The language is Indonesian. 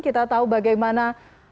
kita tahu bagaimana